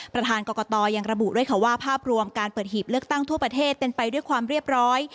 ประธานกรกตยังระบุด้วยค่ะว่าภาพรวมการเปิดหีบเลือกตั้งทั่วประเทศเป็นไปด้วยความเรียบร้อย